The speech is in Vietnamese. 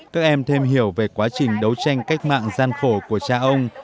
các em thêm hiểu về quá trình đấu tranh cách mạng gian khổ của cha ông